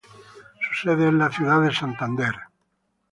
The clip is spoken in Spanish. Su sede es la ciudad de Santander.